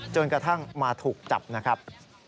จนกระทั่งมาถูกจับนะครับ